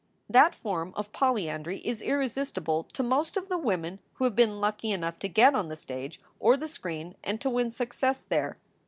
That form of polyandry is irresistible to most of the women who have been lucky enough to get on the stage or the screen and to win success there.